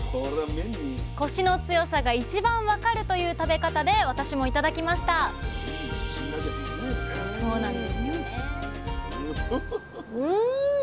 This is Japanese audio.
コシの強さが一番分かるという食べ方で私も頂きましたうん！